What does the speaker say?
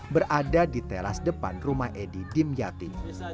berada di teras depan rumah edi di mjati